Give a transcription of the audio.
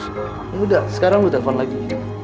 ya udah sekarang lo telepon lagi